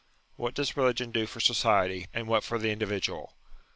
What does religion do for society, and what for the individual?